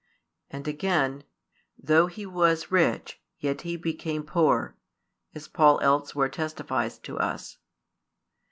And again: though He was rich, yet He became poor, as Paul elsewhere testifies to us.